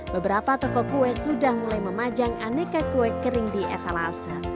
beberapa toko kue sudah mulai memajang aneka kue kering di etalase